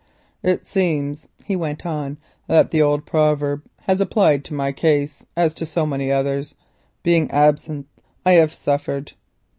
"It seems," he went on, "that the old proverb has applied to my case as to so many others—being absent I have suffered.